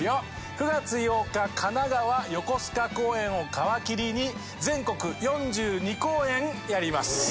９月８日神奈川横須賀公演を皮切りに全国４２公演やります。